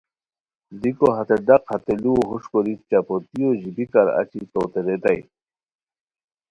دیکو ہتے ڈاق ہتے لوؤ ہوݰ کوری چپوتیو ژیبیکار اچی توتے ریتائے